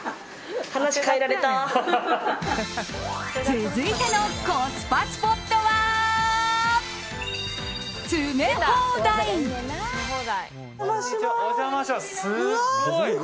続いてのコスパスポットは詰め放題。